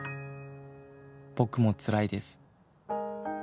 「僕もつらいです」